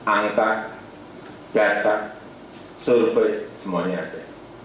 angka data survei semuanya ada